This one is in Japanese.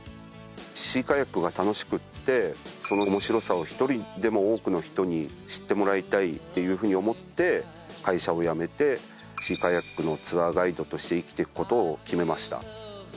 シーカヤックが楽しくってその面白さを１人でも多くの人に知ってもらいたいっていうふうに思って会社を辞めてシーカヤックのツアーガイドとして生きて行くことを決めました。